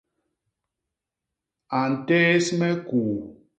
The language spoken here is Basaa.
A ntéés me kuu.